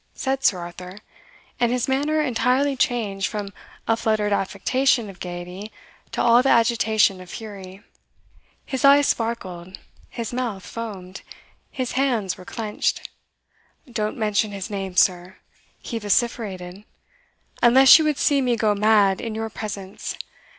said Sir Arthur; and his manner entirely changed from a fluttered affectation of gaiety to all the agitation of fury; his eyes sparkled, his mouth foamed, his hands were clenched "don't mention his name, sir," he vociferated, "unless you would see me go mad in your presence!